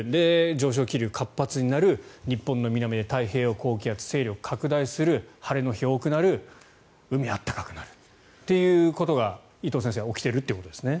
上昇気流が活発になる日本の南で太平洋高気圧の勢力拡大する晴れの日が多くなる海が暖かくなるということが伊藤先生起きているということですね。